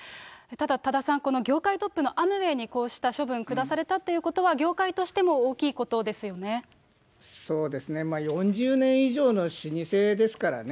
ただ、多田さん、業界トップのアムウェイにこうした処分、下されたということは、４０年以上の老舗ですからね。